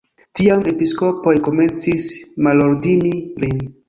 Tiam episkopoj komencis malordini lin.